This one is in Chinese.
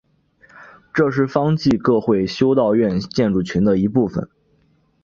这是方济各会修道院建筑群的一部分。